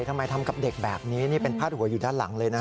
ทำไมทำกับเด็กแบบนี้นี่เป็นพาดหัวอยู่ด้านหลังเลยนะ